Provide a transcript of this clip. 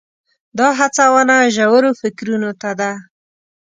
دا هڅونه ژورو فکرونو ته ده.